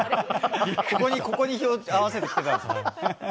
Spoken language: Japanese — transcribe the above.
ここに合わせてきたんですね。